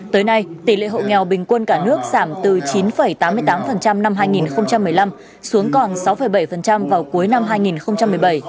tới nay tỷ lệ hộ nghèo bình quân cả nước giảm từ chín tám mươi tám năm hai nghìn một mươi năm xuống còn sáu bảy vào cuối năm hai nghìn một mươi bảy